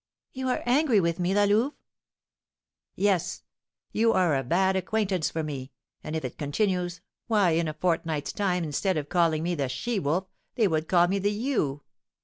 "You are angry with me, La Louve?" "Yes, you are a bad acquaintance for me; and if it continues, why, in a fortnight's time, instead of calling me the She wolf, they would call me the Ewe!